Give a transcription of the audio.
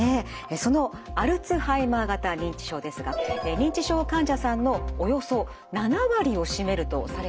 そのアルツハイマー型認知症ですが認知症患者さんのおよそ７割を占めるとされています。